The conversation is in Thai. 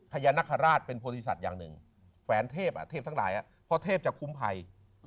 พญานคลาสเป็นโภทธิษัทอย่าง๑แฝนเทพที่ตายก็เวลาเทพจากคุมไพย